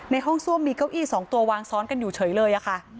ห้องซ่วมมีเก้าอี้๒ตัววางซ้อนกันอยู่เฉยเลยค่ะ